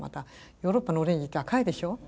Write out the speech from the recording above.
ヨーロッパのオレンジって赤いでしょ。